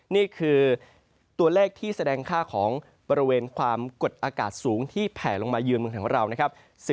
นี่คือตัวเลขที่แสดงค่าของบริเวณความกดอากาศสูงที่แผลลงมาเยือนเมืองของเรานะครับ